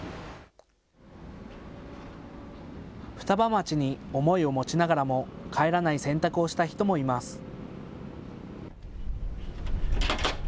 双葉町に思いを持ちながらも帰らない選択をした人もいます。